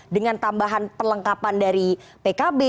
dengan tambahan perlengkapan dari pkb